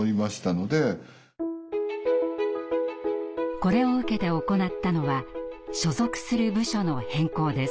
これを受けて行ったのは所属する部署の変更です。